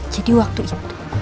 jadi waktu itu